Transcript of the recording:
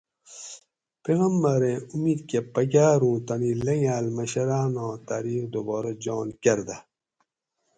پیغمبریں اُمِت کہ پکاروں تانی لنگاۤل مشراناں تاریخ دوبارہ جان کرۤدہ